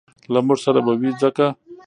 له موږ سره به وي ځکه